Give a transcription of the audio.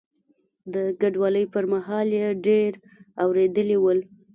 د کډوالۍ پر مهال مې ډېر اورېدلي ول.